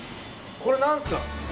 これ何すか？